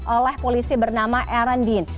oleh polisi bernama aaron dean